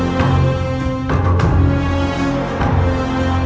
sekarang akulah yang akan menjadi seorang raja